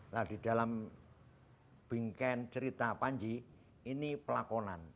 nah di dalam bingkaian cerita panji ini pelakonan